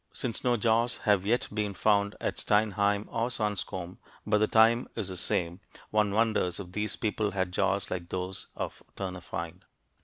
Since no jaws have yet been found at Steinheim or Swanscombe, but the time is the same, one wonders if these people had jaws like those of Ternafine.